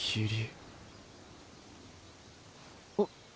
あっ！